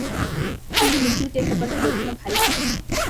কিন্তু নিখিলকে এ-সব কথা বোঝানো ভারি শক্ত।